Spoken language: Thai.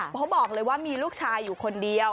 เขาบอกเลยว่ามีลูกชายอยู่คนเดียว